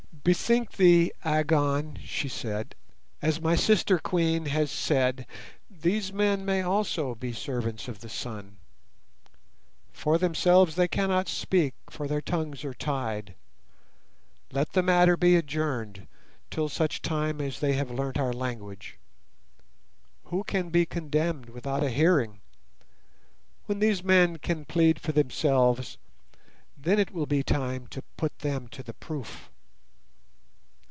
"Bethink thee, Agon," she said, "as my sister Queen has said, these men may also be servants of the Sun. For themselves they cannot speak, for their tongues are tied. Let the matter be adjourned till such time as they have learnt our language. Who can be condemned without a hearing? When these men can plead for themselves, then it will be time to put them to the proof."